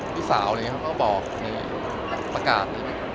ผู้สาวอะไรอย่างเงี้ยเขาก็บอกในประกาศ